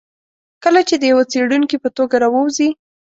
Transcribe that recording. کله چې د یوه څېړونکي په توګه راووځي.